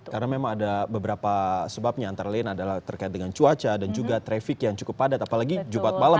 karena memang ada beberapa sebabnya antara lain adalah terkait dengan cuaca dan juga trafik yang cukup padat apalagi jumat malam